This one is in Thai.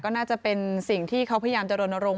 ก็น่าจะเป็นสิ่งที่เขาพยายามจะรณรงค